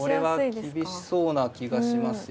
厳しそうな気がしますよ。